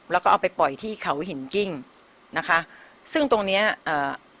แล้วก็เอาไปปล่อยที่เขาหินกิ้งนะคะซึ่งตรงเนี้ยเอ่อ